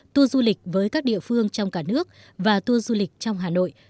tour du lịch với các địa phương trong cả nước và tour du lịch trong hà nội